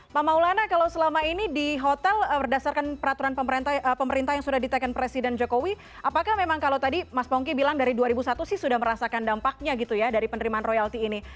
pak maulana kalau selama ini di hotel berdasarkan peraturan pemerintah yang sudah ditekan presiden jokowi apakah memang kalau tadi mas pongki bilang dari dua ribu satu sih sudah merasakan dampaknya gitu ya dari penerimaan royalti ini